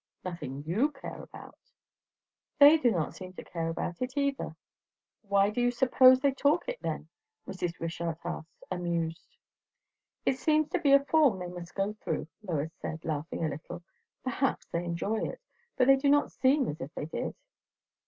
"Nothing you care about." "They do not seem to care about it either." "Why do you suppose they talk it then?" Mrs. Wishart asked, amused. "It seems to be a form they must go through," Lois said, laughing a little. "Perhaps they enjoy it, but they do not seem as if they did.